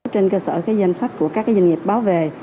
trên cơ sở danh sách của các doanh nghiệp báo về